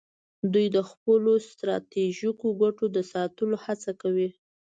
دوی د خپلو ستراتیژیکو ګټو د ساتلو هڅه کوي